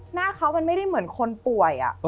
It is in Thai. หน้าเขามันไม่ได้เหมือนคนป่วย